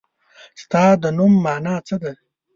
ستا د نوم مانا څه ده ؟